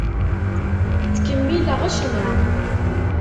Ttkemmileɣ ccna.